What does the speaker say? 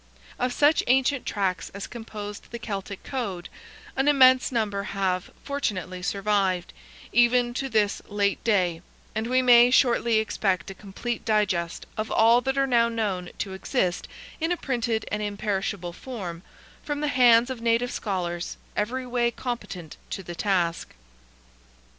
Of such ancient tracts as composed the Celtic code, an immense number have, fortunately survived, even to this late day, and we may shortly expect a complete digest of all that are now known to exist, in a printed and imperishable form, from the hands of native scholars, every way competent to the task.